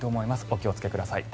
お気をつけください。